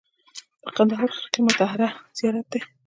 د کندهار خرقه مطهره زیارت دی